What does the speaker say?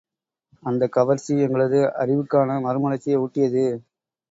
அந்தக் கவர்ச்சி எங்களது அறிவுக்கான மறுமலர்ச்சியை ஊட்டியது.